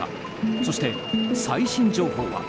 そして、最新情報は。